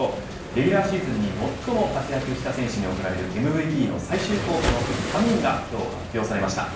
レギュラーシーズンに最も活躍した選手に贈られるＭＶＰの最終候補の３人が発表されました。